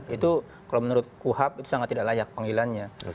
itu kalau menurut kuhab itu sangat tidak layak panggilannya